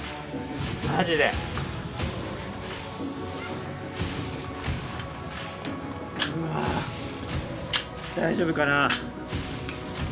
マジでうわぁ大丈夫かなぁ？